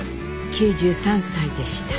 ９３歳でした。